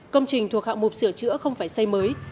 công trình thuộc hạng mục sửa chữa không phải xây mới